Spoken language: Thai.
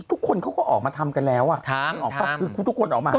ทุกคนเขาก็ออกมาทำกันแล้วทุกคนออกมาทำ